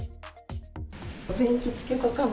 電気つけとかな